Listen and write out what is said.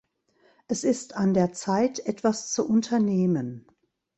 Es ist an der Zeit, etwas zu unternehmen.